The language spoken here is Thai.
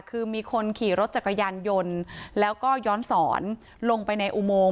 คือมีคนขี่รถจักรยานยนต์แล้วก็ย้อนสอนลงไปในอุโมง